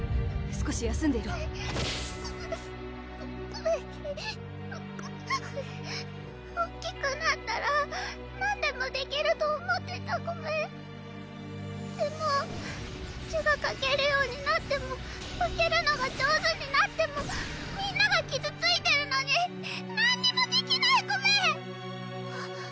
少し休んでいろココメコ大っきくなったら何でもできると思ってたコメでも字が書けるようになっても化けるのが上手になってもみんなが傷ついてるのに何にもできないコメ！